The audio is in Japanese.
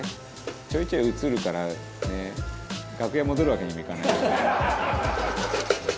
ちょいちょい映るからね楽屋戻るわけにもいかないしね」